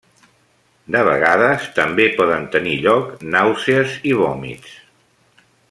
De vegades també poden tenir lloc nàusees i vòmits.